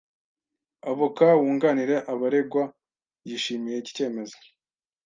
Avoka wunganira abaregwa yishimiye iki cyemezo.